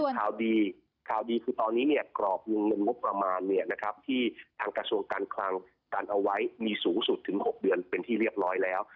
ข่าวดีข่าวดีคือตอนนี้เนี่ยกรอบวงเงินงบประมาณที่ทางกระทรวงการคลังกันเอาไว้มีสูงสุดถึง๖เดือนเป็นที่เรียบร้อยแล้ว